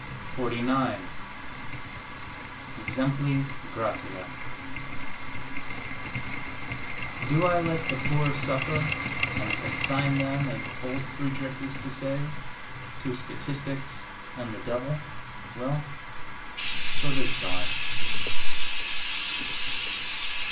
XLIX EXEMPLI GRATIA Do I let the poor suffer, and consign them, as old Friedrich used to say, to statistics and the devil? Well, so does God.